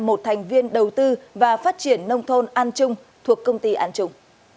một thành viên đầu tư và phát triển nông thôn an trung thuộc công ty an trùng